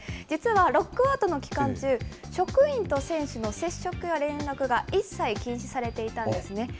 実は、ロックアウトの期間中、職員と選手の接触や連絡が一切禁止されていたんですね。